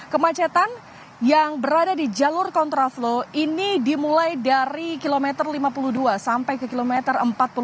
kemacetan yang berada di jalur kontraflow ini dimulai dari kilometer lima puluh dua sampai ke kilometer empat puluh lima